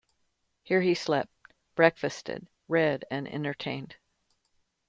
Here he slept, breakfasted, read, and entertained.